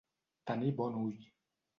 Tenir bon ull.